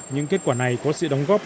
những kết quả này có sự đóng góp